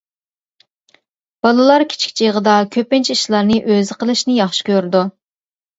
بالىلار كىچىك چېغىدا كۆپىنچە ئىشلارنى ئۆزى قىلىشىنى ياخشى كۆرىدۇ.